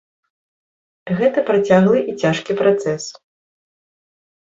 Гэта працяглы і цяжкі працэс.